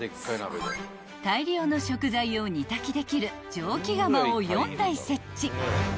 ［大量の食材を煮炊きできる蒸気釜を４台設置］